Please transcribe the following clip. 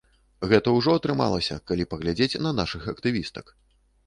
Гэта ўжо атрымалася, кал паглядзець на нашых актывістак.